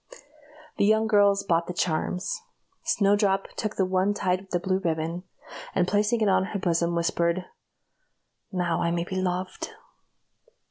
The young girls bought the charms. Snowdrop took the one tied with blue ribbon, and placing it in her bosom, whispered, "Now I may be loved."